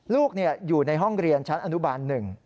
ลูกอยู่ในห้องเรียนชั้นอนุบาล๑